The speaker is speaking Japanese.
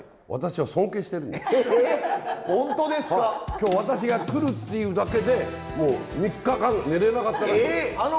今日私が来るっていうだけでもう３日間寝れなかったらしい。